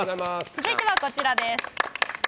続いてはこちらです。